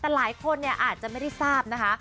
แต่หลายคนเนี่ยอาจจะไม่ได้ทราบนะคะ